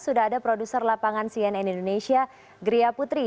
sudah ada produser lapangan cnn indonesia gria putri